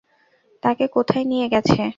তাকে কোথায় নিয়ে গেছে?